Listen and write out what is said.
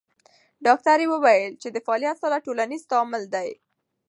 ډاکټره وویل چې د فعالیت سره ټولنیز تعامل مهم دی.